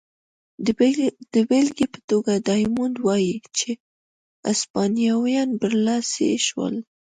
د بېلګې په توګه ډایمونډ وايي چې هسپانویان برلاسي شول.